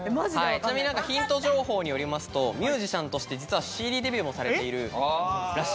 ちなみにヒント情報によりますとミュージシャンとして実はＣＤデビューもされているらしい。